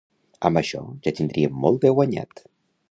Amb això ja tendríem molt de guanyat.